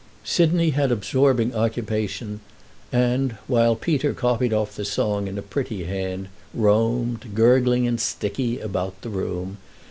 Sidney had absorbing occupation and, while Peter copied off the song in a pretty hand, roamed, gurgling and sticky, about the room.